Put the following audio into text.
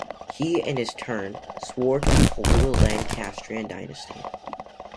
He in his turn "swore to uphold the Lancastrian dynasty".